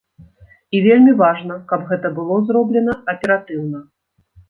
І вельмі важна, каб гэта было зроблена аператыўна.